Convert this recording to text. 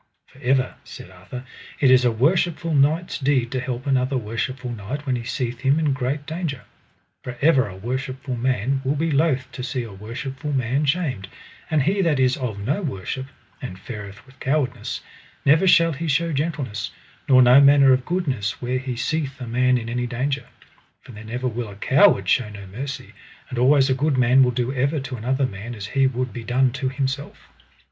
For ever, said Arthur, it is a worshipful knight's deed to help another worshipful knight when he seeth him in a great danger; for ever a worshipful man will be loath to see a worshipful man shamed; and he that is of no worship, and fareth with cowardice, never shall he show gentleness, nor no manner of goodness where he seeth a man in any danger, for then ever will a coward show no mercy; and always a good man will do ever to another man as he would be done to himself.